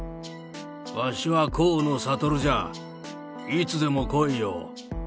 わしは河野智じゃ、いつでも来いよー。